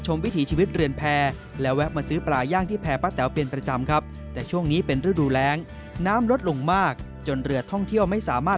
ชมวิถีชีวิตเรือนแพร่